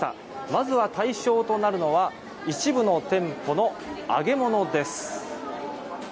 まずは対象となるのは一部の店舗の揚げ物です。